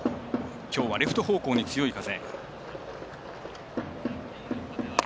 きょうはレフト方向に強い風。